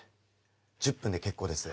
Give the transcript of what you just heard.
１０分で結構です。